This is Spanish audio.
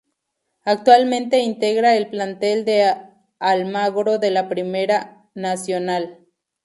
Actualmente integra el plantel de Almagro de la Primera B Nacional.